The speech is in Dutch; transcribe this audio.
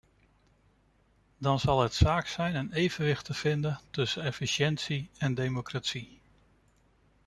Dan zal het zaak zijn een evenwicht te vinden tussen efficiëntie en democratie.